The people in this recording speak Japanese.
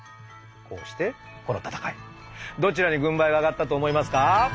こうしてこの戦いどちらに軍配が上がったと思いますか？